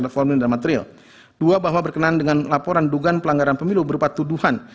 dua bahwa berkenaan dengan laporan dugaan pelanggaran pemilu berupa tuduhan